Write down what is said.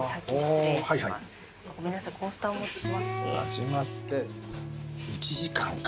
始まって１時間か。